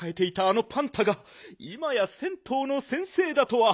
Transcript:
あのパンタがいまや銭湯の先生だとは。